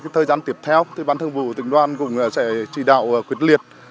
thời gian tiếp theo thì bán thương vụ tỉnh đoan cũng sẽ trị đạo quyết liệt